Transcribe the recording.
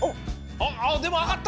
あっでもあがった！